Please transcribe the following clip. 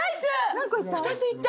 何個いった？